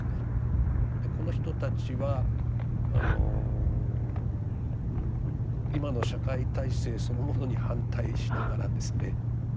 この人たちはあの今の社会体制そのものに反対しながらですね